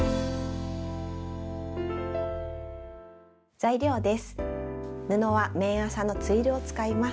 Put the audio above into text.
材料です。